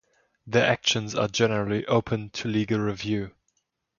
Their actions are generally open to legal review.